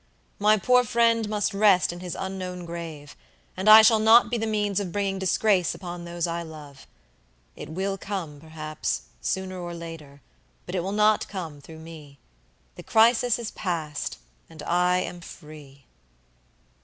My poor friend must rest in his unknown grave; and I shall not be the means of bringing disgrace upon those I love. It will come, perhaps, sooner or later, but it will not come through me. The crisis is past, and I am free."